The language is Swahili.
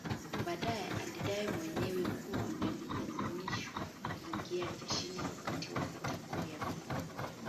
Baadae alidai mwenyewe kuwa alilazimishwa kuingia jeshini wakati wa vita kuu ya pili